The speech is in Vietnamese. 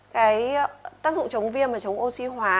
cái tác dụng chống viêm và chống oxy hóa